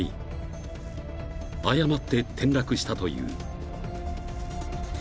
［誤って転落したという］